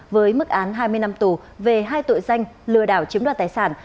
với mức án hai mươi năm tù về hai tội danh lừa đảo chiếm đoạt tài sản